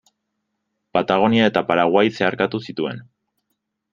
Patagonia eta Paraguai zeharkatu zituen.